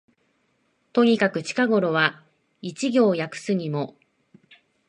とにかく近頃は一行訳すにも、